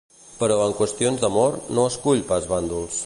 Però en qüestions d'amor, no escull pas bàndols.